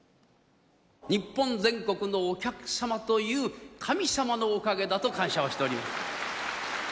日本全国のお客さまという神様のおかげだと感謝をしております。